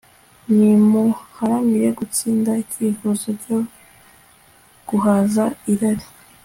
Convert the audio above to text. Nimuharanire gutsinda icyifuzo cyo guhaza irari